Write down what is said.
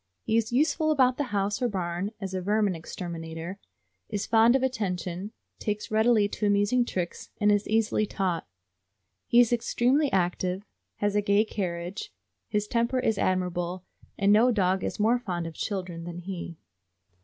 He is useful about the house or barn as a vermin exterminator, is fond of attention, takes readily to amusing tricks, and is easily taught. He is extremely active, has a gay carriage, his temper is admirable, and no dog is more fond of children than he.